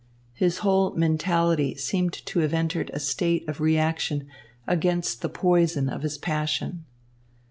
His whole mentality seemed to have entered a state of reaction against the poison of his passion.